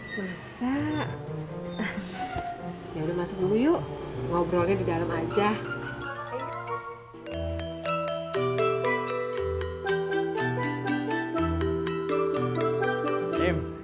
udah masuk dulu yuk ngobrolnya di dalam aja